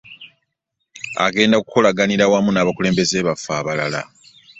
Agenda kukolaganira wamu n'abakulembeze baffe abalala